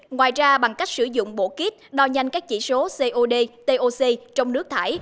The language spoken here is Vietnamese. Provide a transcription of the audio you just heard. ngoài ra bằng cách sử dụng bộ kít đo nhanh các chỉ số cod toc trong nước thải